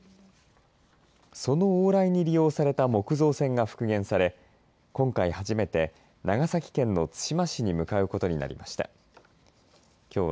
その往来に利用された木造船が復元され今回初めて長崎県の対馬市に向かうことになりました。